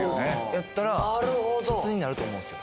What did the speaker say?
やったら筒になると思うんですよ